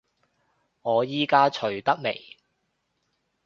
我依家除得未？